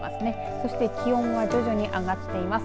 そして気温は徐々に上がっています。